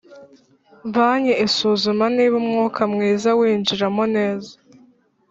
Banki isuzuma niba umwuka mwiza winjiramo neza